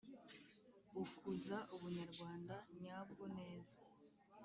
ukuza ubunyarwanda nyabwo neza